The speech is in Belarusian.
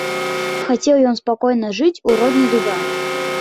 Хацеў ён спакойна жыць у роднай дубраве.